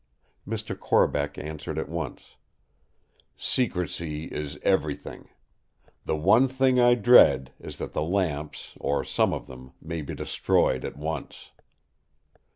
Mr. Corbeck answered at once: "Secrecy is everything. The one thing I dread is that the lamps, or some of them, may be destroyed at once."